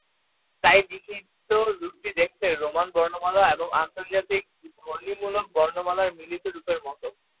তাই লিখিত রূপটি দেখতে রোমান বর্ণমালা এবং আন্তর্জাতিক ধ্বনিমূলক বর্ণমালার মিলিত রূপের মতো।